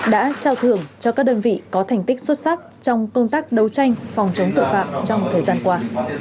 đã trao thưởng cho các đơn vị có thành tích xuất sắc trong công tác đấu tranh phòng chống tội phạm trong thời gian qua